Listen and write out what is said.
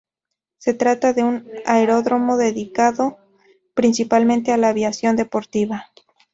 Se trata de un aeródromo dedicado principalmente a la aviación deportiva.